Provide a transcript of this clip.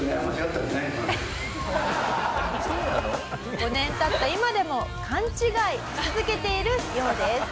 「５年経った今でも勘違いし続けているようです」